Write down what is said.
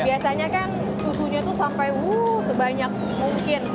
biasanya kan susunya itu sampai wuh sebanyak mungkin